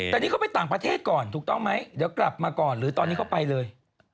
แต่นี่เขาไปต่างประเทศก่อนถูกต้องไหมเดี๋ยวกลับมาก่อนหรือตอนนี้เขาไปเลย